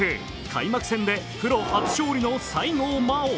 開幕戦でプロ初勝利の西郷真央。